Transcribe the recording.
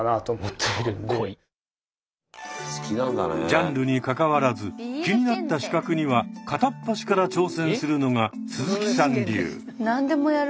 ジャンルにかかわらず気になった資格には片っ端から挑戦するのが鈴木さん流。